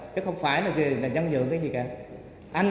chứ không phải là nhân dưỡng cái gì cả